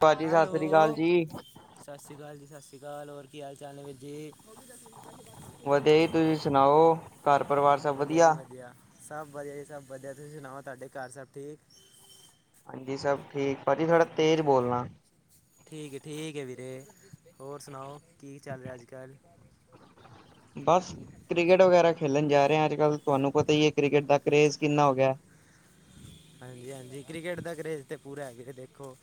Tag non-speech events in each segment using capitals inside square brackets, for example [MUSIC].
ਭਾਜੀ ਸਤਿ ਸ੍ਰੀ ਅਕਾਲ ਹੈਲੋ। ਜੀ ਸਸ ਸ੍ਰੀ ਕਾਲ ਜੀ, ਸਸ ਸ੍ਰੀ ਕਾਲ ਹੋਰ ਕੀ ਹਾਲ ਚਾਲ ਨੇ ਵੀਰ ਜੀ। ਵਧੀਆ ਜੀ ਤੁਸੀਂ ਸੁਣਾਓ ਘਰ ਪਰਿਵਾਰ ਸਭ ਵਧੀਆ ਜੀ ਵਧੀਆ। ਸਭ ਵਧੀਆ ਜੀ- ਸਭ ਵਧੀਆ, ਤੁਸੀਂ ਸੁਣਾਓ ਤੁਹਾਡੇ ਘਰ ਸਭ ਠੀਕ? ਹਾਂਜੀ, ਸਭ ਠੀਕ ਭਾਜੀ ਥੋੜ੍ਹਾ ਤੇਜ ਬੋਲਣਾ। ਠੀਕ ਹੈ-ਠੀਕ ਹੈ ਵੀਰੇ, ਹੋਰ ਸੁਣਾਓ ਕੀ ਚੱਲ ਰਿਹਾ ਅੱਜ- ਕੱਲ? ਬਸ ਕ੍ਰਿਕਟ ਵਗੈਰਾ ਖੇਡਣ ਜਾ ਰਹੇ ਅੱਜ-ਕੱਲ੍ਹ ਤੁਹਾਨੂੰ ਪਤਾ ਹੀ ਹੈ ਕ੍ਰਿਕਟ ਦਾ ਕਰੇਜ ਕਿੰਨਾ ਹੋ ਗਿਆ। ਹਾਂਜੀ-ਹਾਂਜੀ, ਕ੍ਰਿਕਟ ਦਾ ਕਰੇਜ਼ ਤੇ ਪੂਰਾ ਹੈ ਵੀਰੇ ਦੇਖੋ।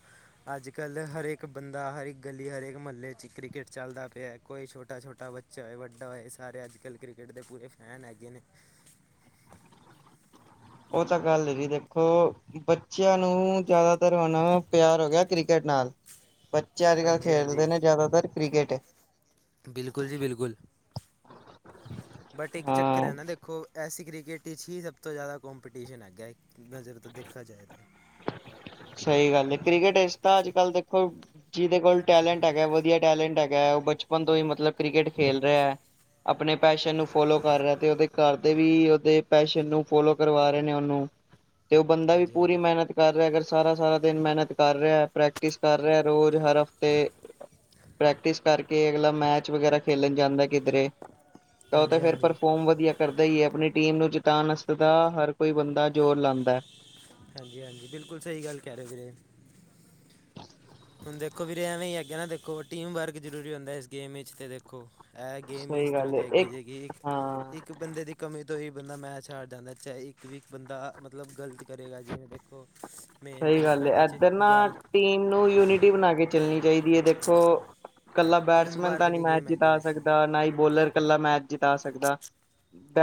ਅੱਜ-ਕੱਲ੍ਹ ਹਰੇ ਇੱਕ ਬੰਦਾ, ਹਰ ਇੱਕ ਗਲੀ, ਹਰੇਕ ਮਹੱਲੇ 'ਚ ਕ੍ਰਿਕਟ ਚੱਲਦਾ ਪਿਆ ਕੋਈ ਛੋਟਾ-ਛੋਟਾ ਬੱਚਾ ਬੱਚਾ ਹੋਏ, ਚਾਹੇ ਵੱਡਾ ਹੋਏ ਸਾਰੇ ਅੱਜ-ਕੱਲ ਕ੍ਰਿਕਟ ਦੇ ਪੂਰੇ ਫੈਨ ਹੈਗੇ ਨੇ। ਉਹ ਤਾਂ ਗੱਲ ਹੈਗੀ ਦੇਖੋ। ਬੱਚਿਆਂ ਨੂੰ ਜ਼ਿਆਦਾਤਰ ਹੁਣ ਪਿਆਰ ਹੋ ਗਿਆ ਕ੍ਰਿਕਟ ਨਾਲ। ਬੱਚੇ ਅੱਜ ਕੱਲ੍ਹ ਹਾਂਜੀ ਖੇਡਦੇ ਹਾਂਜੀ ਨੇ ਜਾਦਾਤਰ ਕ੍ਰਿਕਟ। ਬਿਲਕੁਲ ਜੀ ਬਿਲਕੁਲ ਬਟ ਇੱਕ ਹਾਂ ਚੱਕਰ ਹੈ ਨਾ ਦੇਖ ਖੋ ਐਸੀ ਕ੍ਰਿਕਟ ਇਚ ਹੀ ਸਭ ਤੋਂ ਜ਼ਿਆਦਾ ਕੋਂਪੀਟੀਸ਼ਨ ਹੈਗਾ ਇੱਕ ਨਜ਼ਰ ਤੋਂ ਦੇਖਿਆ ਜਾਏ ਤਾਂ। ਸਹੀ ਗੱਲ ਹੈ ਕ੍ਰਿਕਟ ਇਸ ਤਾਂ ਅੱਜ ਕੱਲ੍ਹ ਦੇਖੋ ਜਿਹਦੇ ਕੋਲ ਟੈਲੈਂਟ ਹੈਗਾ ਵਧੀਆ ਟੈਲੈਂਟ ਹੈਗਾ ਉਹ ਬਚਪਨ ਤੋਂ ਹੀ ਮਤਲਬ ਕ੍ਰਿਕਟ ਖੇਲ ਰਿਹਾ ਹੈ। ਆਪਣੇ ਪੈਸ਼ਨ ਨੂੰ ਫੋਲੋ ਕਰ ਰਿਹਾ ਤੇ ਉਹਦੇ ਘਰ ਦੇ ਵੀ ਉਹਦੇ ਪੈਸ਼ਨ ਨੂੰ ਫੋਲੋ ਕਰਵਾ ਰਹੇ ਨੇ ਉਹਨੂੰ। [INAUDIBLE] ਤੇ ਉਹ ਬੰਦਾ ਵੀ ਹਾਂਜੀ ਪੂਰੀ ਹਾਂਜੀ ਮਿਹਨਤ ਕਰ ਰਿਹਾ ਅਗਰ ਸਾਰਾ-ਸਾਰਾ ਦਿਨ ਮਿਹਨਤ ਕਰ ਰਿਹਾ ਪ੍ਰੇਕ ਟਿਸ ਕਰ ਰਿਹਾ ਰੋਜ਼ ਹਰ ਹਫ਼ਤੇ ਪ੍ਰੈਕਟਿਸ ਕਰਕੇ ਅਗਲਾ ਮੈਚ ਵਗੈਰਾ ਖੇਲਣ ਜਾਂਦਾ ਕਿਧਰੇ ਤਾਂ ਉਹ ਹਾਂਜੀ ਤਾਂ ਫਿਰ ਹਾਂਜੀ ਪਰਫੋਰਮ ਵਧੀਆ ਕਰਦਾ ਹੀ ਹੈ ਆਪਣੀ ਟੀਮ ਨੂੰ ਜਤਾਉਣ ਵਾਸਤੇ ਹਰ ਕੋਈ ਬੰਦਾ ਜ਼ੋਰ ਲਾਦਾ। ਹਾਂਜੀ-ਹਾਂਜੀ ਬਿਲਕੁਲ ਸਹੀ ਗੱਲ ਕਹਿ ਰਹੇ ਵੀਰੇ। ਹੁਣ ਦੇਖੋ ਵੀਰ ਐਵੇਂ ਹੀ ਹੈਗ ਨਾ ਦੇਖੋ ਟੀਮ ਵਰਕ ਜ਼ਰੂਰੀ ਹੁੰਦਾ ਇਸ ਗੇਮ ਵਿੱਚ ਤੇ ਦੇਖੋ। ਇਹ ਗੇਮ ਇਸ ਸਹੀ ਤਰ੍ਹਾਂ ਗੱਲ ਹੈ ਦੀ ਅੱਗੀ ਇੱਕ ਜਗੀ ਹਾਂ ਇੱਕ ਬੰਦੇ ਦੀ ਕਮੀ ਤੋਂ ਹੀ ਬੰਦਾ ਮੈਚ ਹਾਰ ਜਾਂਦਾ ਚਾਹੇ ਇੱਕ ਵੀ ਬੰਦਾ ਮਤਲਬ ਗ਼ਲਤ ਕਰੇਗਾ ਜਿਵੇਂ ਦੇਖੋ ਮੇਨ ਤਾਂ ਸਹੀ ਦੇਖੋ ਗੱਲ ਇਹਦੇ ਹੈ 'ਚ ਇਧਰ ਨਾ ਗੱਲ ਟੀਮ ਨੂੰ ਯੂਨਿਟੀ ਬਣਾ ਕੇ ਚੱਲਣੀ ਚਾਹੀਦੀ ਹੈ ਦੇਖੋ ਕੱਲਾ ਟੀਮ ਬੈਟਸਮੈਨ ਵਰਕ ਤਾਂ ਨਹੀਂ ਦੀ ਮੈਚ ਗੇਮ ਹੈਗੀ ਜਿਤਾ ਦੇਖੋ ਸਕਦਾ ਨਾ ਹੀ ਬੋਲਰ ਇਕੱਲਾ ਮੈਚ ਜਿਤਾ ਸਕਦਾ।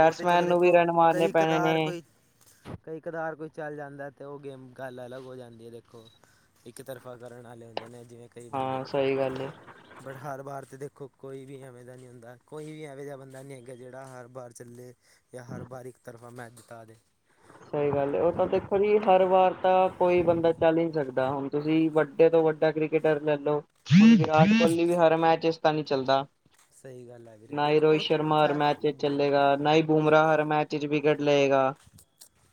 ਉਹ ਤੇ ਚਲੋ ਨੂੰ ਵੀ ਦੇਖੋ ਰਨ ਮਾਰਨੇ ਕਈ ਪੈਣੇ ਕਦਾਰ ਨੇ ਕੋਈ ਕਈ ਕਦਾਰ ਕੋਈ ਚੱਲ ਜਾਂਦਾ ਤੇ ਉਹ ਗੇਮ ਗੱਲ ਅਲੱਗ ਹੋ ਜਾਂਦੀ ਹੈ ਦੇਖੋ। ਇੱਕ ਤਰਫਾ ਕਰਨ ਵਾਲੇ ਹੁੰਦੇ ਨੇ ਜਿਵੇਂ ਕਈ ਬੰਦੇ। ਹਾਂ ਸਹੀ ਗੱਲ ਹੈ ਬਟ ਹਰ ਬਾਰ ਦੇਖੋ ਕੋਈ ਵੀ ਐਵੇਂ ਦਾ ਨੀ ਹੁੰਦਾ ਕੋਈ ਵੀ ਐਵੇਂ ਜਿਹਾ ਬੰਦਾ ਨੀ ਹੈਗਾ ਜਿਹੜਾ ਹਰ ਬਾਰ ਚੱਲੇ ਜਾਂ ਹਰ ਵਾਰ ਇੱਕ ਤਰਫਾ ਮੈਚ ਜਿਤਾ ਦੇ। ਸਹੀ ਗੱਲ ਉਹ ਤਾਂ ਦੇਖੋ ਜੀ ਹਰ ਵਾਰ ਤਾਂ ਕੋਈ ਬੰਦਾ ਚੱਲ ਹੀ ਨੀ ਸਕ ਹੁਣ ਤੁਸੀਂ ਵੱਡੇ ਤੋਂ ਵੱਡਾ ਕ੍ਰਿਕਟਰ ਲਾਲੋ। ਵਿਰਾਟ ਕੋਹਲੀ ਵੀ ਹਰ ਮੈਚ ਇਚ ਤਾ ਨੀ ਚੱਲਦਾ। ਸਹੀ ਗੱਲ ਹੈ ਵੀਰੇ ਨਾ ਹੀ ਦੇਖੋ ਰੋਹਿਤ ਉਹ ਸ਼ਰਮਾ ਹਰ ਫੈ ਮੈਚ ਦੇਖੋ ਚਲੇਗਾ, ਨਾ ਹੀ ਦੇਖੋ ਬੁਮਰਾਹ ਹਰ ਮੈਚ ਚਿਰ ਵਿਕਟ ਲਏਗਾ।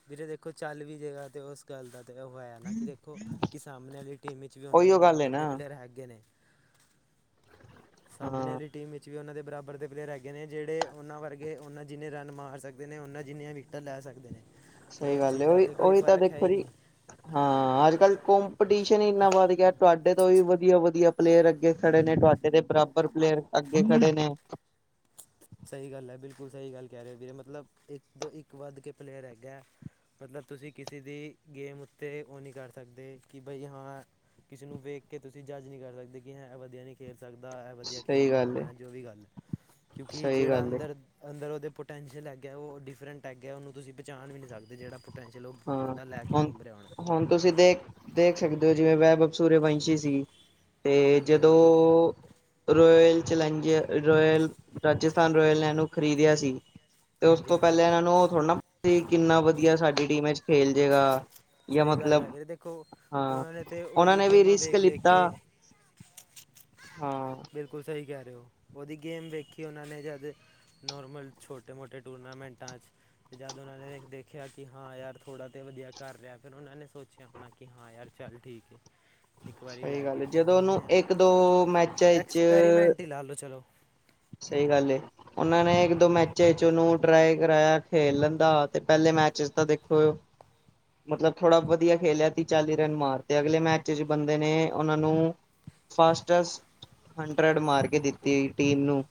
ਵੀਰੇ ਦੇਖੋ ਚੱਲ ਵੀ ਜੇਗਾ ਤੇ ਉਸ ਗੱਲ ਦਾ ਤੇ ਉਹ ਹੋਇਆ ਨਾ ਕਿ ਦੇਖੋ ਕਿ ਸਾਹਮਣੇ ਵਾਲੀ ਟੀਮ ਵਿੱਚ ਵੀ ਉਹਨਾਂ ਦੇ ਉਹੀਓ ਗੱਲ ਹੈ ਬਰਾਬਰ ਦੇ ਨਾ ਪਲੇਅਰ ਹੈਗੇ ਨੇ। ਸਾਹਮਣੇ ਹਾਂ ਵਾਲੀ ਟੀਮ ਉਹਨਾਂ ਦੇ ਬਰਾਬਰ ਦੇ ਪਲੇਅਰ ਹੈਗੇ ਨੇ ਜਿਹੜੇ ਉਹਨਾਂ ਵਰਗੇ ਉਹਨਾਂ ਜਿੰਨੇ ਰਨ ਮਾਰ ਸਕਦੇ ਨੇ ਉਹਨਾਂ ਜਿੰਨੀਆਂ ਵਿਕ ਲੈ ਸਕਦੇ ਨੇ। ਤੇ ਸਹੀ ਇਸ ਗੱਲ ਚੀਜ਼ ਦਾ ਉਹੀ, ਤੇ ਕੋਈ ਓਹੀ ਤਾਂ ਫਰਕ ਹੈ ਦੇਖੋ ਹੀ ਜੀ ਨਹੀਂ ਹਾਂ ਅੱਜ ਕੱਲ ਕੰਪੀਟੀਸ਼ਨ ਇੰਨਾ ਵੱਧ ਗਿਆ ਤੁਹਾਡੇ ਤੋਂ ਵੀ ਵਧੀਆ-ਵਧੀਆ ਪਲੇਅਰ ਅੱਗੇ ਖੜੇ ਨੇ ਤੁਹਾਡੇ ਦੇ ਬਰਾਬਰ ਪਲੇਅਰ ਅੱਗੇ ਖੜੇ ਨੇ। ਸਹੀ ਗੱਲ ਹੈ ਬਿਲਕੁਲ ਸਹੀ ਗੱਲ ਕਹ ਰਹੇ ਹੋ ਵੀਰੇ ਮਤਲਬ ਇੱਕ ਤੋਂ ਇੱਕ ਵੱਧ ਕੇ ਪਲੇਅਰ ਹੈਗਾ। ਮਤਲਬ ਤੁਸੀਂ ਕਿਸੇ ਦੀ ਗੇਮ ਉੱਤੇ ਉਹ ਨਹੀਂ ਕਰ ਸਕਦੇ ਕਿ ਬਈ ਹਾਂ ਕਿਸੇ ਨੂੰ ਵੇਖ ਕੇ ਤੁਸੀਂ ਜੱਜ ਨਹੀਂ ਕਰ ਸਕਦੇ ਕਿ ਇਹਂ ਇਹ ਵਧੀਆ ਨਹੀਂ ਖੇਲ ਸਕਦਾ ਇਹ ਵਧੀਆ ਸਹੀ ਖੇਲਦਾ ਗੱਲ ਏ ਹੋਣਾ ਹੈ ਜੋ ਵੀ ਗੱਲ ਐ। ਕਿ ਸਹੀ ਜਿਹੜਾ ਗੱਲ ਏ ਅੰਦਰ ਅੰਦਰ ਉਹਦੇ ਪੋਟੈਂਸ਼ੀਅਲ ਹੈਗੇ ਉਹ ਡਿਫਰੈਂਟ ਹੈਗੇ ਹੈ ਉਹਨੂੰਸੀਂ ਬੁੰਚਾ ਵੀ ਨਹੀਂ ਸਕਦੇ ਜਿਹੜਾ ਪ ਹਾਂ ਹੁਣ ਹੁਣ ਤੁਸੀਂ ਦੇਖ ਦੇਖ ਸਕਦੇ ਹੋ ਜਿਵੇਂ ਵੈਭਵ ਸੁਰਵੰਸ਼ੀ ਸੀ ਤੇ ਹਾਂਜੀ ਜਦੋਂ ਹਾਂਜੀ Royal Challengers Royal Rajasthan Royal ਨੇੈ ਨੂੰ ਖ਼ਰੀਦਿਆ ਸੀ ਤੇ ਉਸ ਹਾਂਜੀ ਤੋਂ ਹਾਂਜੀ ਪਹਿਲਾਂ ਇਹਨਾਂ ਨੂੰ ਉਹ ਥੋੜ੍ਹਾ ਨਾ ਪਤਾ ਸੀ ਕਿੰਨਾ ਵਧੀਆ ਸਾਡੀ ਟੀਮ ਚ ਖੇਲ ਜੇਗਾ। ਯਾ ਸਹੀ ਗੱਲ ਹੈ ਮਤਲਬ, ਵੀਰੇ ਦੇਖੋ ਹਾਂ ਉਹਨਾਂ ਨੇ ਤੇ ਉਹਨਾਂ ਉਹਦੀ ਨੇ ਵੀ ਗੇਮਾਂ ਰਿਸਕ ਵੇਖ ਵੇਖ ਲਿੱਤਾ। ਕੇ ਹਾਂ। ਬਿਲਕੁਲ ਸਹੀ ਕਹਿ ਰਹੇ ਹੋ ਉਹਦੀ ਗੇਮ ਵੇਖੀ ਉਹਨਾਂ ਨੇ ਜਦ ਨੋਰਮਲ ਛੋਟੇ ਮੋਟੇ ਟੂਰਨਾਮੈਂਟਾਂ ਚ ਤੇ ਜਦ ਉਹਨਾਂ ਨੇ ਦੇਖਿਆ ਕਿ ਹਾਂ ਯਾਰ ਥੋੜ੍ਹਾ ਤੇ ਵਧੀਆ ਕਰ ਰਿਹਾ ਫਿਰ ਉਹਨਾਂ ਨੇ ਸੋਚਿਆ ਆਪਣਾ ਕਿ ਹਾਂ ਯਾਰ ਚੱਲ ਠੀਕ ਹੈ ਇੱਕ ਵਾਰੀ ਸਹੀ ਲੈ ਗੱਲ ਕੇ ਏ, ਜਦੋਂ ਉਹਨੂੰ ਦੇਖਦੇ ਹਾਂ। ਇੱਕ ਦੋ ਮੈਚਾਂ ਵਿੱਚ ਐਕਸਪੈਰੀਮੈਂਟ ਹੀ ਲਾ ਲੋ ਚਲੋ ਸਹੀ ਗੱਲ ਏ ਉਹਨਾਂ ਨੇ ਇੱਕ ਦੋ ਮੈਚੇ ਚ ਉਹਨੂੰ ਟਰਾਈ ਕਰਾਇਆ ਖੇਲਣ ਦਾ ਤੇ ਪਹਿਲੇ ਮੈਚ ਤਾਂ ਦੇਖੋ ਮਤਲਬ ਥੋੜ੍ਹਾ ਵਧੀਆ ਖੇਲਿਆ ਤੀਹ ਚਾਲੀ ਰਨ ਮਾਰ ਤੇ ਅਗਲੇ ਮੈਚ ਚ ਬੰਦੇ ਨੇ ਉਹਨਾਂ ਨੂੰ ਫਾਸਟਸਟ ਹੰਡਰਡ ਮਾਰ ਕੇ ਦਿੱਤੀਈ ਟੀਮ ਨੂੰ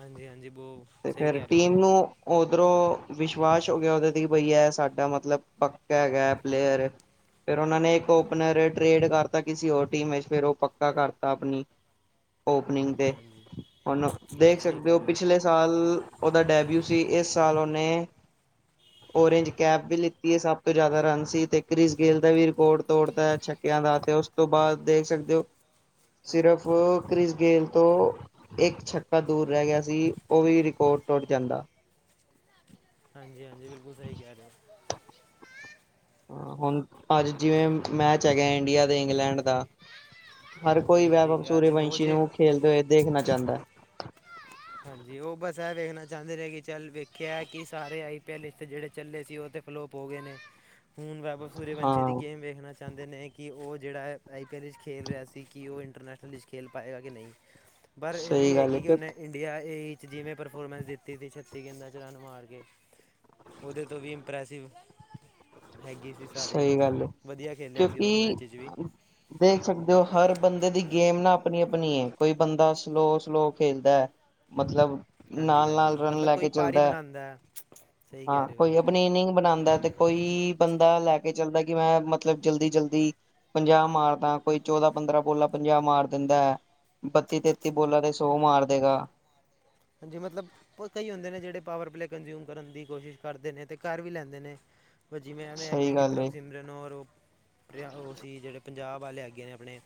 ਹਾਂਜੀ ਹਾਂਜੀ ਬਹੁ ਸਹੀ ਕਹਿ ਰਹੇ ਹੋ ਕਿ ਜੇ ਉਓਧਰੋਂ ਵਿਸ਼ਵਾਸ ਹੋ ਗਿਆ ਦੇ ਤੇ ਬਈ ਇਹ ਸਾਡਾ ਮਤਲਬ ਪੱਕ ਹੈਗਾ ਪਲੇਅਰ ਫੇਿਰ ਉਹਨਾਂ ਨੇ ਇੱਕ ਓਪਨਰ ਟਰੇਡ ਕਰਤਾ ਕਿਸੇ ਹੋਰ ਟੀਮ ਵਿੱਚ ਫੇਿਰ ਉਹ ਪੱਕਾ ਕਰਤਾ ਆਪਣੀ ਹਾਂਜੀ ਹਾਂਜੀ ਹੁਨ ਦੇਖ ਸਹੀ ਸਕਦੇ ਹੋ ਕਹਿ ਰਹੇ ਪਿਛਲੇ ਸਾਲ ਉਹਦਾ ਡੈਬਿਊ ਸੀ ਇਸ ਸਾਲ ਉਹਹਨੇ [UNINTELLIGIBLE] ਓਰੇਂਜ ਕੈਬ ਵੀ ਲਿੱਤੀ ਹੈ ਸਭ ਤੋਂ ਜ਼ਿਆਦਾ ਰਨ ਸੀ ਅਤੇ ਕ੍ਰੀਿਸ ਗੇਲ ਦਾ ਵੀ ਰਿਕਾਰਡ ਤੋੜਦਾ ਛੱਕਿਆਂ ਦਾ ਅਤੇ ਉਸ ਤੋਂ ਬਾਅਦ ਦੇਖ ਸਕਦੇ ਹੋ ਸਿਰਫ ਕ੍ਰਿਸ ਗੇਲ ਤੋਂ ਇੱਕ ਛੱਕਾ ਦੂਰ ਰਹਿ ਗਿਆ ਸੀ ਉਹ ਵੀ ਰਿਕਾਰਡ ਟੁੱਟ ਜਾਂਦਾ ਹਾਂਜੀ ਹਾਂਜੀ ਬਿਲਕੁਲ ਸਹੀ ਕਹਿ ਰਿਹਾ ਹੁਣ ਅੱਜ ਜਿਵੇਂ ਮੈਚ ਹੈਗਾ ਇੰਡੀਆ ਤੇ ਇੰਗਲੈਂਡ ਦਾ ਹਰ ਹਾਂਜੀ ਕੋਈ ਹਾਂਜੀ ਵੈਵ ਅੱਜ ਹੋ ਸੂਰਵੰਸ਼ੀ ਜੇ ਨੂੰ ਖੇਲਦੇ ਹੋਏ ਦੇਖਣਾ ਚਾਹੁੰਦਾ ਹੈ ਹਾਂਜੀ ਉਹ ਬਸ ਇਹ ਵੇਖਣਾ ਚਾਹੁੰਦੇ ਨੇਹੇ ਕਿ ਚੱਲ ਵੇਖਿਆ ਕਿ ਸਾਰੇ ਆਈ ਪੀ ਐਲ ਇਸਥ ਜਿਹੜੇ ਚੱਲੇ ਸੀ ਉਹ ਤੇ ਫਲੋਪ ਹੋ ਗਏ ਨੇ ਹੁਣ ਬਾਬ ਸੂਰਯਵੰਸ਼ੀ ਦੀ ਹਾਂ ਗੇਮ ਵੇਖਣਾ ਚਾਹੁੰਦੇ ਨੇ ਕਿ ਉਹ ਜਿਹੜਾ ਆਈ ਪੀ ਐੱਲ ਵਿੱਚ ਖੇਲ ਰਿਹਾ ਸੀ ਕਿ ਉਹ ਇੰਟਰਨੈਸ਼ਨਲ ਵਿੱਚ ਖੇਲ ਪਾਏਗਾ ਕਿ ਨਹੀਂ ਪਰ ਇਹ ਵੀ ਸਹੀ ਗੱਲ ਹੈ ਹੈਗੀ ਕਿ ਉਹਨੇ ਇੰਡੀਆ ਏ ਈ 'ਚ ਜਿਵੇਂ ਪਰਫੋਰਮੈਂਸ ਦਿੱਤੀ ਸੀ ਛੱਤੀ ਗੇਂਦਾਂ 'ਚ ਰਨ ਮਾਰ ਕੇ ਉਹਦੇ ਤੋਂ ਵੀ ਇੰਪ੍ਰੈਸਿਵ ਹੈਗੀ ਸੀ ਸਾਰੇ ਸਹੀ ਮਤਲਬ ਗੱਲ ਵਧੀਆ ਖੇਲਿਆ ਸੀ ਉਸ ਕਿਉਂਕਿ ਮੈਚ ' ਵੀ ਦੇਖ ਸਕਦੇ ਹੋ ਹਰ ਬੰਦੇ ਦੀ ਗੇਮ ਨਾ ਆਪਣੀ ਆਪਣੀ ਕੋਈ ਬੰਦਾ ਸਲੋਅ ਸਲੋਅ ਖੇਲਦਾ ਹੈ ਮਤਲਬ ਹਾਂਜੀ ਨਾਲ ਹਾਂਜੀ ਨਾਲ ਰਨ ਮਤਲਬ ਲੈ ਕੋਈ ਕੇ ਪਾਰ ਹੀ ਚੱਲਦਾ ਹੈ ਬਣਾਉਂਦਾ ਸਹੀ ਕਹਿ ਹਾਂ ਰਹੇ ਹੋ ਕੋਈ ਪਨੀਨਿੰਗ ਬਣਾਉਂਦਾ ਤੇ ਕੋਈ ਬੰਦਾ ਲੈ ਕੇ ਚਲਦਾ ਕਿ ਮੈਂ ਮਤਲਬ ਜਲਦੀ ਜਲਦੀ ਪੰਜਾਹ ਮਾਰਦਾ ਕੋਈ ਚੌਦਾਂ ਪੰਦਰਾਂ ਪੋਲਾ ਪੰਜਾਹ ਮਾਰ ਦਿੰਦਾ ਹੈ ਬੱਤੀ ਤੇਤੀ ਬੋਲਾਂ ਦੇ ਸੋ ਮਾਰ ਦੇਗਾ ਜੈ ਮਤਲਬ ਕਈ ਹੁੰਦੇ ਨੇ ਜਿਹੜੇ ਪਾਵਰ ਪਲੇ ਕੰਜਿਊਮ ਕਰਨ ਦੀ ਕੋਸ਼ਿਸ਼ ਕਰਦੇ ਨੇ ਤੇ ਘਰ ਵੀ ਲੈਂਦੇ ਨੇ ਭਾਅ ਜਿਵੇਂ ਐਵੇਂ ਆਿਆ ਸਹੀ ਕਿ ਗੱਲ ਪ੍ਰਭ ਹੈ ਸਿਮਰਨ ਔਰ ਉਹ ਉਹ ਸੀ ਜਿਹੜੇ ਪੰਜਾਬ ਆਲੇ ਹੈਗੇ ਨੇ ਆਪਣੇ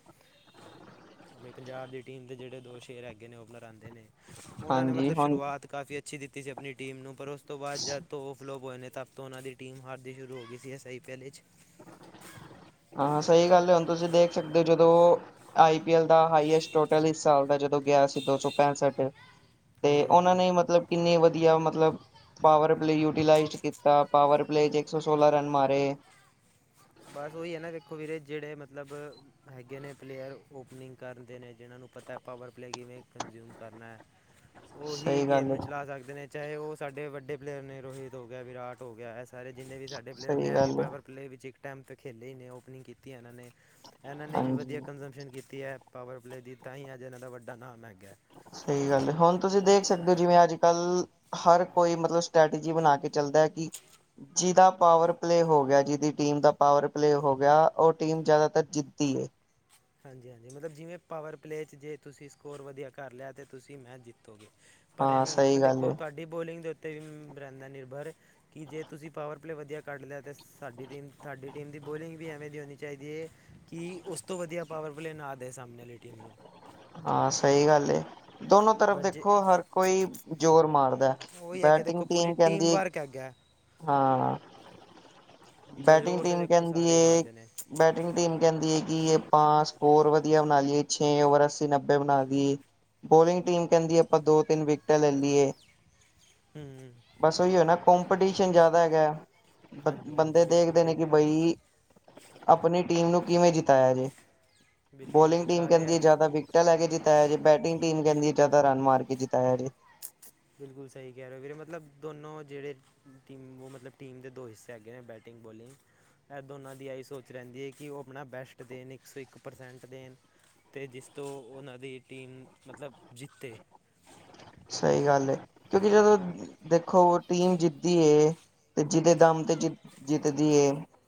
ਆਪਣੀ ਪੰਜਾਬ ਦੀ ਟੀਮ ਦੇ ਜਿਹੜੇ ਦੋ ਸ਼ੇਰ ਹੈਗੇ ਨੇ ਓਪਨਰ ਆਉਂਦੇ ਨੇ ਉਹਨਾਂ ਨੇ ਹਾਂਜੀ ਮਤਲਬ ਹੁਣ ਸ਼ੁਰੂਆਤ ਕਾਫੀ ਅੱਛੀ ਦਿੱਤੀ ਸੀ ਆਪਣੀ ਟੀਮ ਨੂੰ ਪਰ ਉਸ ਤੋਂ ਬਾਅਦ ਜਦ ਧੋ ਫਲੋਪ ਹੋਏ ਨੇ ਤਾਂ ਤਾਂ ਉਹਨਾਂ ਦੀ ਟੀਮ ਹਾਰਦੀ ਸ਼ੁਰੂ ਹੋ ਗਈ ਸੀ ਐ ਆਈ ਪੀ ਐਲ ਵਿੱਚ ਹਾਂਾਂ ਸਹੀ ਗੱਲ ਹੈ ਹੁਣ ਤੁਸੀਂ ਦੇਖ ਸਕਦੇ ਹੋ ਜਦੋਂ ਆਈ ਪੀ ਐਲ ਦਾ ਹਾਈਐਸਟ ਟੋਟਲ ਇਸ ਸਾਲ ਦਾ ਜਦੋਂ ਗਿਆ ਸੀ ਦੋ ਸੌ ਪੈਂਸਠ ਤੇ ਹਾਂਜੀ ਉਹਨਾਂ ਹਾਂਜੀ ਨੇ ਮਤਲਬ ਕਿੰਨੇ ਵਧੀਆ ਮਤਲਬ ਪਾਵਰ ਪਲੇ ਯੂਟੀਲਾਈਜ਼ਡ ਕੀਤਾ ਪਾਵਰ ਪਲੇ 'ਚ ਇੱਕ ਸੌ ਸੋਲਾਂ ਰਨ ਮਾਰੇ ਬਸ ਉਹੀ ਹੈ ਨਾ ਵੇਖੋ ਵੀਰੇ ਜਿਹੜੇ ਮਤਲਬ ਹੈਗੇ ਨੇ ਪਲੇਅਰ ਓਪਨਿੰਗ ਕਰਨਦੇ ਨੇ ਜਿਨਾਂ ਨੂੰ ਪਤਾ ਪਾਵਰ ਪਲੇ ਕਿਵੇਂ ਕੰਜ਼ਿਊਮ ਕਰਨਾ ਹੈ ਉਹੀ ਸਹੀ ਗੇਮ ਗੱਲ ਹੈ ਨੂੰ ਚਲਾ ਸਕਦੇ ਨੇ ਚਾਹੇ ਉਹ ਸਾਡੇ ਵੱਡੇ ਪਲੇਅਰ ਨੇ ਰੋਹਿਤ ਹੋ ਗਿਆ ਵਿਰਾਟ ਹੋ ਗਿਆ ਇਸ ਸਾਰੇ ਜਿੰਨੇ ਵੀ ਸਾਡੇ ਪਲੇਅਰ ਨੇ ਸਹੀ ਇਹ ਵੀ ਗੱਲ ਹੈ ਪਾਵਰ ਪਲੇਅ ਵਿੱਚ ਇੱਕ ਟਾਈਮ ਤੋਂ ਖੇਲੇ ਹੀ ਨੇ ਓਪਨਿੰਗ ਕੀਤੀ ਹੈ ਇਹਨਾਂ ਨੇ ਇਹਨਾਂ ਨੇ ਵੀ ਵਧੀਆ ਹਾਂਜੀ ਕੰਜਮਪਸ਼ਨ ਕੀਤੀ ਹੈ ਪਾਵਰਪਲੇਅ ਦੀ ਤਾਂ ਹੀ ਅੱਜ ਇਹਨਾਂ ਦਾ ਵੱਡਾ ਨਾਮ ਹੈਗਾ ਸਹੀ ਗੱਲ ਹੁਣ ਤੁਸੀਂ ਦੇਖ ਸਕਦੇ ਹੋ ਜਿਵੇਂ ਅੱਜ ਕੱਲ ਹਰ ਕੋਈ ਮਤਲਬ ਸਟ੍ਰੈਟਜੀ ਬਣਾ ਕੇ ਚੱਲਦਾ ਕਿ ਜਿਹਦਾ ਪਾਵਰ ਪਲੇਅ ਹੋ ਗਿਆ ਜਿਹਦੀ ਟੀਮ ਦਾ ਪਾਵਰ ਪਲੇਅ ਹੋ ਗਿਆ ਉਹ ਟੀਮ ਜਿਆਦਾਤਰ ਜਿੱਦੀ ਹਾਂਜੀ ਹਾਂਜੀ ਮਤਲਬ ਜਿਵੇਂ ਪਾਵਰ ਪਲੇਅ 'ਚ ਜੇ ਤੁਸੀਂ ਸਕੋਰ ਵਧੀਆ ਕਰ ਲਿਆ ਤਾਂ ਤੁਸੀਂ ਮੈਚ ਜਿੱਤੋਗੇ ਭਰਿਆ ਹਾਂ ਹੋਏ ਹੁੰਦਾ ਸਹੀ ਨਾ ਗੱਲ ਦੇਖੋ ਹੈ ਤੁਹਾਡੀ ਬੋਲਿੰਗ ਦੇ ਉੱਤੇ ਵੀ ਰਹਿੰਦਾ ਨਿਰਭਰ ਕਿ ਜੇ ਤੁਸੀਂ ਪਾਵਰ ਪਲੇਅ ਵਧੀਆ ਕੱਢ ਲਿਆ ਤੇ ਸਾਡੀ ਟੀਮ ਤੁਹਾਡੀ ਟੀਮ ਦੀ ਬੋਲਿੰਗ ਵੀ ਐਵੇਂ ਦੀ ਹੋਣੀ ਚਾਹੀਦੀ ਹੈ ਕਿ ਉਸ ਤੋਂ ਵਧੀਆ ਪਾਵਰ ਪਲੇਅ ਨਾ ਆ ਸਾਹਮਣੇ ਵਾਲੀ ਟੀਮ ਨੂੰ ਹਾਂ ਸਹੀ ਗੱਲ ਏ ਦੋਨੋ ਤਰਫ਼ ਬਟ ਜੇ ਦੇਖੋ ਹਰ ਕੋਈ ਜ਼ੋਰ ਮਾਰਦਾ। ਉਹੀ ਹੈਗੇ ਦੇਖੋ ਬੈਟਿੰਗ ਪੂਰੀ ਟੀਮ ਕਹਿੰਦੀ ਵਰਕ ਹੈਗਾ। ਹਾਂ ਬੈਟਿੰਗ ਜ਼ੋਰ ਤਾਂ ਟੀਮ ਦੇਖੋ ਕਹਿੰਦੀ ਸਾਰੇ ਹੀ ਏ। ਮਾਰਦੇ ਨੇ ਬੈਟਿੰਗ ਟੀਮ ਕਹਿੰਦੀ ਹੈ ਕਿ ਆਪਾਂ ਸਕੋਰ ਵਧੀਆ ਬਣਾ ਲਈਏ ਛੇ ਓਵਰ ਨੱਬੇ ਬਣਾ ਦੀਈਏ ਬੋਲਿੰਗ ਟੀਮ ਕਹਿੰਦੀ ਆਪਾਂ ਦੋ ਤਿੰਨ ਵਿਕਟਾਂ ਲੈ ਲਈਏ ਹੂੰ ਬਸ ਉਹੀ ਹੋ ਨਾ ਕਪੀਟੀਸ਼ਨ ਜ਼ਿਆਦਾ ਹੈਗਾ ਬ ਹਾਂਜੀ ਹਾਂਜੀ ਬੰਦੇ ਬਿਲਕੁਲ ਦੇਖਦੇ ਨੇ ਸਹੀ ਕਿ ਕਹਿ ਰਹੇ ਹੋ ਬਈ ਆਪਣੀ ਟੀਮ ਨੂੰ ਕਿਵੇਂ ਜਿਤਾਇਆ ਜੇ ਬਿਲਕੁਲ ਬੋਲਿੰਗ ਜੀ ਟੀਮ ਕਹਿੰਦੀ ਹੈ ਸਾਰੇ ਜ਼ਿਆਦਾ ਵਿਕ ਟਿੰ ਲੈ ਜਿੱਤਾਇਆ ਜੇ ਬੈਟਿੰਗ ਟੀਮ ਕਹਿੰਦੀ ਹੈ ਜ਼ਿਆਦਾ ਰਨ ਮਾਰ ਕੇ ਜਤਾਇਆ ਜੇ। ਬਿਲਕੁਲ ਸਹੀ ਕਹਿ ਰਹੇ ਹੋ ਵੀਰੇ ਮਤਲਬ ਦੋਨੋਂ ਜਿਹੜੇ ਮ ਮਤਲਬ ਟੀਮ ਦੇ ਦੋ ਹਿੱਸੇ ਹੈੱਗੇ ਨੇ ਬੈਟਿੰਗ ਬੋਲਿੰਗ ਇਹ ਦੋਨਾਂ ਦੀ ਆਈ ਸੋਚ ਰਹਿੰਦੀ ਹੈ ਕਿ ਉਹ ਆਪਣਾ ਬੈਸਟ ਦੇਣ ਇੱਕ ਸੌ ਇੱਕ ਪਰਸੈਂਟ ਦੇਣ। ਅਤੇ ਜਿਸ ਤੋਂ ਉਹਨਾਂ ਦੀ ਟੀਮ ਮਤਲਬ ਜਿੱਤੇ। ਸਹੀ ਗੱਲ ਹੈ ਕਿਉਂਕਿ ਜਦੋਂ ਦੇਖੋ ਟੀਮ ਜਿੱਤੀ ਏ। ਤੇ ਜਿਹਦੇ ਦਮ ਤੇ ਜਿ ਜਿੱਤਦੀ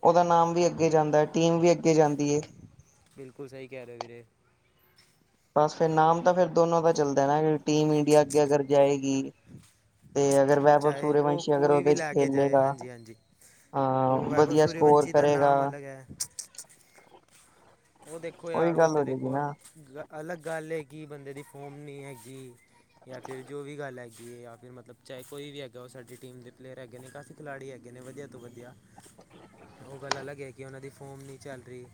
ਉਹਦਾ ਨਾਮ ਵੀ ਅੱਗੇ ਜਾਂਦਾ ਹੈ ਟੀਮ ਵੀ ਅੱਗੇ ਜਾਂਦੀ ਏ। ਬਿਲਕੁਲ ਸਹੀ ਕਹਿ ਰਹੇ ਹੋ ਵੀਰੇ ਬਸ ਫਿਰ ਨਾਮ ਤਾਂ ਫਿਰ ਦੋਨੋ ਦਾ ਚੱਲਦਾ ਨਾ ਟੀਮ ਇੰਡੀਆ ਅੱਗੇ ਅਗਰ ਜਾਏਗੀ। ਤੇ ਅਗਰ ਵੈ ਬ ਚਾਹੇ ਉਹ ਸੂਰਯਵੰਸ਼ੀ ਅਗਰ ਕੋਈ ਵੀ ਉਹਦੇ 'ਚ ਲੈ ਕੇ ਜਾਏ ਖੇਲੇੇਗਾ। ਹਾਂਜੀ ਹਾਂਜੀ ਹਾਂ ਉਹ ਵੈਭਵ ਵਧੀਆ ਸਕੋਰ ਸੂਰਯਵੰਸ਼ੀ ਦਾ ਕਰੇਗਾ। ਨਾਮ ਅਲੱਗ ਹੈ ਉਹ ਦੇਖੋ ਉਹੀ ਯਾਰ ਉਹ ਗੱਲ ਤਾਂ ਹੋ ਜਾਏਗੀ ਦੇਖੋ ਨਾ ਅ ਅਲੱਗ ਗੱਲ ਹੈ ਕਿ ਬੰਦੇ ਦੀ ਫੋਮ ਨਹੀਂ ਹੈਗੀ। ਜਾਂ ਫਿਰ ਜੋ ਵੀ ਗੱਲ ਹੈਗੀ ਹੈ ਜਾਂ ਫਿਰ ਮਤਲਬ ਚਾਹੇ ਕੋਈ ਵੀ ਹੈਗਾ ਉਹ ਸਾਡੀ ਟੀਮ ਦੇ ਪਲੇਅਰ ਹੈਗੇ ਨੇ ਕਾਫ ਖਿਲਾੜੀ ਹੈਗੇ ਨੇ ਵਧੀਆ ਤੋਂ ਵਧੀਆ ਉਹ ਗੱਲ ਅਲੱਗ ਹੈ ਕਿ ਉਹਨਾਂ ਦੀ ਫੋਮ ਨਹੀਂ ਚੱਲ ਰਹੀ।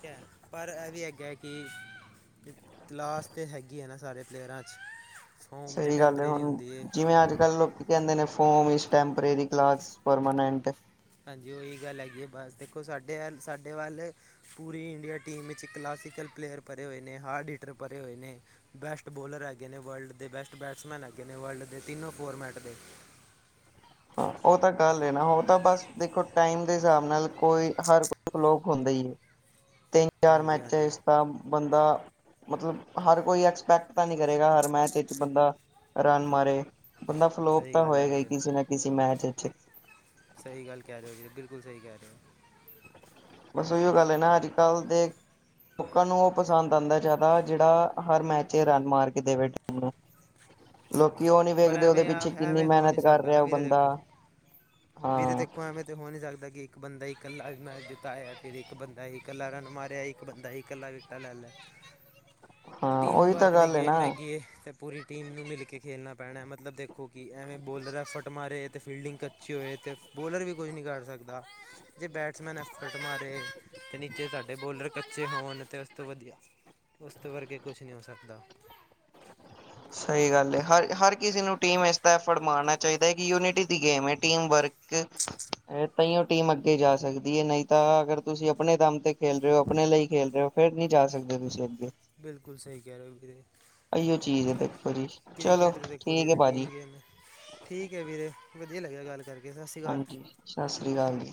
ਠੀਕ ਹੈ ਪਰ ਇਹ ਵੀ ਹੈਗਾ ਕਿ [INAUDIBLE] ਕਲਾਸ ਤਾਂ ਹੈਗੀ ਹੈ ਨਾ ਸਾਰੇ ਪਲੇਅਰਾਂ 'ਚ [INAUDIBLE] ਤੇ ਸਹੀ ਗੱਲ ਹੈ ਟੈਂਪਰੇਰੀ ਹੁਣ ਹੁੰਦੀ ਹੈ ਜਿਵੇਂ ਅੱਜ ਕੱਲ੍ਹ ਲੋਕ ਕਹਿੰਦੇ ਨੇ ਫੋਮ ਟੈਂਪਰੇਰੀ ਕਲਾਸ ਪਰਮਾਨੈਂਟ [INAUDIBLE] ਹਾਂਜੀ ਉਹੀ ਗੱਲ ਹੈਗੀ ਹੈ ਬਸ ਦੇਖੋ ਸਾਡੇ ਵ ਸਾਡੇ ਵੱਲ [INAUDIBLE] ਪੂਰੀ ਇੰਡੀਆ ਟੀਮ ਵਿੱਚ ਕਲਾਸੀਕਲ ਪਲੇਅਰ ਭਰੇ ਹੋਏ ਨੇ ਹਾਰਡੀਟਰ ਭਰੇ ਹੋਏ ਨੇ। ਬੈਸਟ ਬੋਲਰ ਹੈਗੇ ਨੇ ਵਰਲਡ ਦੇ ਬੈਸਟ ਬੈਟਸਮੈਨ ਹੈਗੇ ਨੇ ਵਰਲਡ ਦੇ ਤਿੰਨੋ ਫੋਰਮੈਟ ਦੇ [INAUDIBLE] ਹਾਂ ਉਹ ਤਾਂ ਗੱਲ ਹੈ ਨਾ ਉਹ ਤਾਂ ਬਸ ਦੇਖੋ ਟਾਈਮ ਦੇ ਹਿਸਾਬ ਨਾਲ ਕੋਈ ਹਰ ਲੋਕ ਹੁੰਦੇ ਹੀ ਹੈ ਤਿੰਨ ਚਾਰ ਹਾਂਜੀ ਮੈਚ ਹਾਂਜੀ ਇਸਦਾ ਬੰਦਾ ਮਤਲਬ ਹਰ ਕੋਈ ਐਕਸਪੈਕਟ ਤਾਂ ਨਹੀਂ ਕਰੇਗਾ ਹਰ ਮੈਚ ਵਿੱਚ ਬੰਦਾ ਰਨ ਮਾਰੇ ਬੰਦਾ ਫਲੋਪ ਸਹੀ ਤਾਂ ਗੱਲ ਹੈ ਹੋਏਗਾ ਹੀ ਕਿਸੇ ਨਾ ਕਿਸੇ ਮੈਚ ਇਚ ਸਈ ਗੱਲ ਕੈ ਰਏ ਓ ਜੀ, ਬਿਲਕੁਲ ਸਈ ਕੈ ਰਏ ਓ। ਬਸ ਓਹੀੋਓ ਗੱਲ ਐ ਨਾ ਅੱਜ ਕੱਲ੍ਹ ਦੇਖ ਲੋਕਾਂ ਨੂੰ ਉਹ ਪਸੰਦ ਆਂਦਾ ਜ਼ਿਆਦਾ ਜੇੜਾ ਹਰ ਮੈਚ ਚ ਰਨ ਮਾਰ ਕੇ ਦੇਵੇ ਟੀਮ ਨੂੰ ਲੋਕੀ ਉਹ ਨਹੀਂ ਪਰ ਵੇਖਦੇ ਉਹਦੇ ਐਵੇਂ ਆ ਪਿੱਛੇ ਕਿੰਨੀ ਐਵੇਂ ਹੋ ਨਹੀਂ ਮਿਹਨਤ ਕਰ ਸਕਦਾ ਨਾ ਰਿਹਾ ਉਹ ਵੀਰੇ ਬੰਦਾ ਦੇਖੋ ਵੀਰੇ ਹਾਂ ਦੇਖੋ ਐਵੇਂ ਤੇ ਹੋ ਨੀ ਸਕਦਾ ਕਿ [INAUDIBLE] ਇੱਕ ਬੰਦੇ ਹੀ ਇਕੱਲਾ ਮੈਂ ਜਿਤਾਇਆ ਫਿਰ ਇੱਕ ਬੰਦਾ ਹੀ ਇਕੱਲਾ ਰਨ ਮਾਰਿਆ ਇੱਕ ਬੰਦਾ ਹੀ ਇਕੱਲਾ ਵਿਟਾਂ ਲੈ ਲਿਆ। [INAUDIBLE] ਹਾਂ ਟੀਮ ਉਹੀ ਤਾਂ ਵਰਕ ਦੀ ਗੱਲ ਹੈ ਨਾ ਗੇਮ ਹੈਗੀ ਤੇ ਪੂਰੀ ਟੀਮ ਨੂੰ ਮਿਲ ਕੇ ਖੇਲਣਾ। ਭੈਣੇ ਮਤਲਬ ਦੇਖੋ ਕਿ ਐਵੇਂ ਬੋਲਰ ਹੈ ਫਟ ਮਾਰੇ ਤੇ ਫੀਲਡਿੰਗ ਕੱਚੀ ਹੋਏ ਤੇ ਬੋਲਰ ਵੀ ਕੁੱਝ ਨਹੀਂ ਕਰ ਸਕਦ ਦਾ [INAUDIBLE] ਜੇ ਬੈਟਸਮੈਨ ਐਕਸਫਰਟ ਮਾਰੇ ਤੇ ਨੀਚੇ ਸਾਡੇ ਬੋਲਰ ਕੱਚੇ ਹੋਣ ਤੇ ਉਸ ਤੋਂ ਵਧੀਆ [INAUDIBLE] ਉਸ ਤ ਵਰਗੇ ਕੁਛ ਨਹੀਂ ਹੋ ਸਕਦਾ। ਸਹੀ ਗੱਲ ਹਰ- ਹਰ ਕਿਸੇ ਨੂੰ ਟੀਮ ਇਸ ਐਫਰਟ ਮਾਰਨਾ ਚਾਹੀਦਾ ਹੈ ਕਿ ਯੂਨਿਟੀ ਦੀ ਗੇਮ ਐ, ਟੀਮ ਵਰਕ ਤਾਈਓ ਟੀਮ ਅੱਗੇ ਜਾ ਸਕਦੀ ਐ ਨਈ ਤਾਂ ਅਗਰ ਤੁਸੀਂ ਅਪਣੇ ਦਮ ਤੇ ਖੇਲ ਰਏ ਓ ਅਪਣੇ ਲਈ ਖੇਲ ਰਏ ਓ। ਫੇਰ ਨੀ ਜਾ ਸਕਦੇ ਤੁਸੀਂ ਅੱਗੇ ਬਿਲਕੁਲ ਸਹੀ ਕਹਿ ਰਹੇ ਹੋ ਵੀਰੇ ਅਈਓ [UNINTELLIGIBLE] ਦੇਖੋ ਜੀ ਚਲੋ ਕ੍ਰਿਕਟ ਤਾਂ ਦੇਖੋ ਠੀਕ ਏ ਵੀਰੇ ਟੀਮ ਭਾਜੀ। ਠੀਕ ਏ ਵੀਰੇ, ਵਦੀਆ ਲੱਗਿਆ ਗੱਲ ਕਰਕੇ। ਸਤਿ ਸ਼੍ਰੀ ਅਕਾਲ ਹਾਂਜੀ, ਸਸ ਸ੍ਰੀ ਕਾਲ ਜੀ।